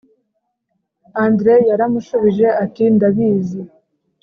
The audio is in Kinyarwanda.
Andre yaramushubije ati ndabizi